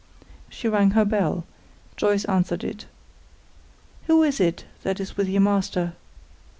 She rang her bell; Joyce answered it. "Who is it that is with your master?"